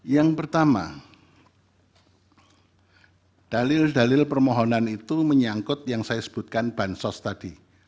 yang pertama dalil dalil permohonan itu menyangkut yang saya sebutkan bansos tadi